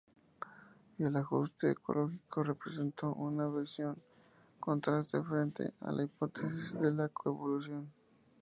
El ajuste ecológico representó una visión contrastante frente a la hipótesis de la coevolución.